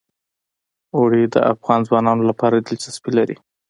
اوړي د افغان ځوانانو لپاره دلچسپي لري.